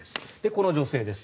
この女性です。